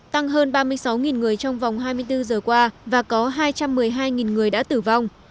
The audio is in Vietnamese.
tăng hơn ba mươi sáu người trong vòng hai mươi bốn giờ qua và có hai trăm một mươi hai người đã tử vong